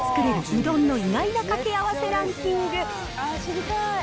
うどんの意外なかけあわせランキング。